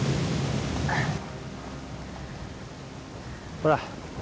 ほら